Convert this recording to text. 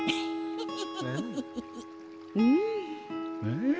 うん。